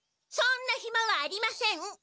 そんなひまはありません！